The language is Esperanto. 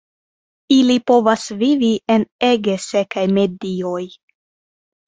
Ili povas vivi en ege sekaj medioj.